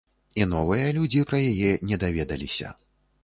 І новыя людзі пра яе не даведаліся.